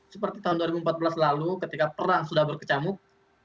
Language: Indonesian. seperti tahun dua ribu empat belas lalu ketika perang sudah berkecamuk